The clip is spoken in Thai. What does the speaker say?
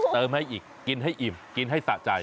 เติมให้อีกกินให้อิ่มกินให้สะใจ